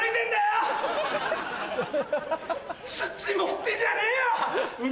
土持ってんじゃねえよ！